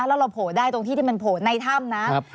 แล้วเราโผล่ได้ตรงที่ที่มันโผล่ในถ้ำนะ